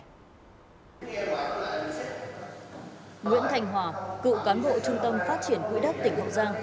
nguyễn thành hòa cựu cán bộ trung tâm phát triển quỹ đất tỉnh hậu giang